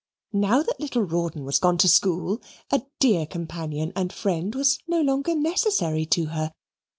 Now that little Rawdon was gone to school, a dear companion and friend was no longer necessary to her.